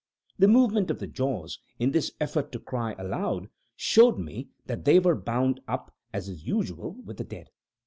The movement of the jaws, in this effort to cry aloud, showed me that they were bound up, as is usual with the dead.